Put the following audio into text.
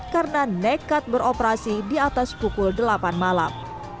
karena nekat beroperasi di atas pukul delapan malam